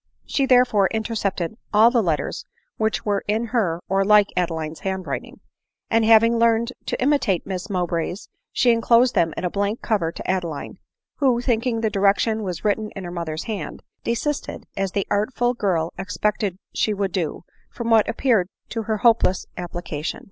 She therefore in tercepted all the letters which were in or like Adeline's hand writing ; and having learned to imitate Miss Mow bray's, she enclosed them in a blank cover to Adeline ; who, thinking the direction was written in her mother's hand, desisted, as the artful girl expected she would do, from what appeared to her a hopeless application.